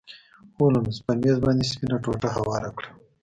هولمز په میز باندې سپینه ټوټه هواره کړه.